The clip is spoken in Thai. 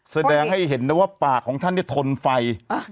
แสดงให้เห็นได้ว่าปากของท่านทนไฟ